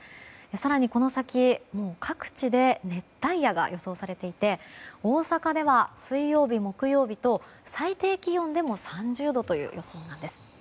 更に、この先各地で熱帯夜が予想されていて大阪では水曜日、木曜日と最低気温でも３０度という予想です。